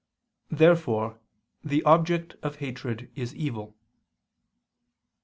Therefore the object of hatred is evil.